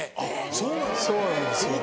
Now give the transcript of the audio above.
そうなんですはい。